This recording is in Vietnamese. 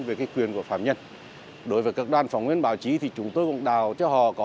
về cái quyền của phạm nhân đối với các đoàn phóng viên báo chí thì chúng tôi cũng đào cho họ có